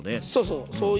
そうそう。